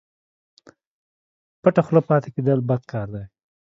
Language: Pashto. پټه خوله پاته کېدل بد کار دئ